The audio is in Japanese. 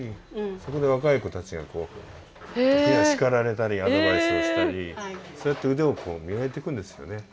そこで若い子たちがこう時には叱られたりアドバイスをしたりそうやって腕をこう磨いていくんですよね。